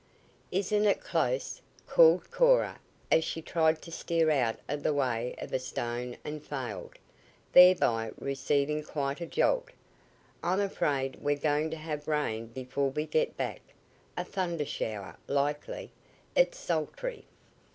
"Isn't it close?" called Cora as she tried to steer out of the way of a stone and failed, thereby receiving quite a jolt. "I'm afraid we're going to have rain before we get back a thunder shower, likely. It's sultry."